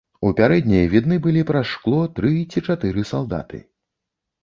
У пярэдняй відны былі праз шкло тры ці чатыры салдаты.